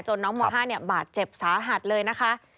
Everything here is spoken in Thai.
น้องม๕บาดเจ็บสาหัสเลยนะคะ